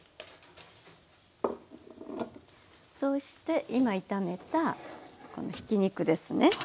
そして今炒めたこのひき肉ですね入れます。